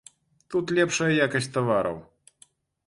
Тут лепшая якасць тавараў.